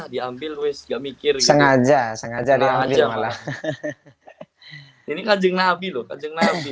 diambil wes gak mikir sengaja sengaja dia aja malah ini kajang nabi loh kajang nabi